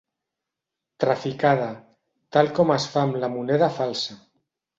Traficada, tal com es fa amb la moneda falsa.